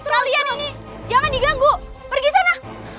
kalian ini jangan diganggu pergi sana